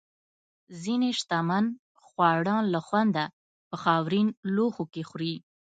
ځینې شتمن خواړه له خونده په خاورین لوښو کې خوري.